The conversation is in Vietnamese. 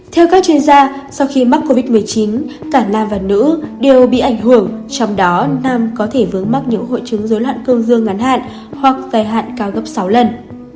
theo các chuyên gia sau khi mắc covid một mươi chín cả nam và nữ đều bị ảnh hưởng trong đó nam có thể vướng mắc những hội chứng dối loạn cương dương ngắn hạn hoặc dài hạn cao gấp sáu lần